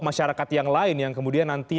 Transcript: masyarakat yang lain yang kemudian nanti